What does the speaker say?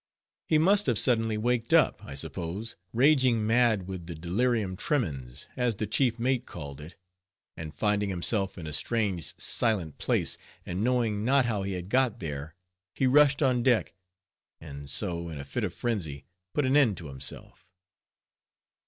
He must have suddenly waked up, I suppose, raging mad with the delirium tremens, as the chief mate called it, and finding himself in a strange silent place, and knowing not how he had got there, he rushed on deck, and so, in a fit of frenzy, put an end to himself.